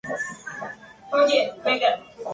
William Arbuthnot-Lane comentó: "Mejor tarde que nunca".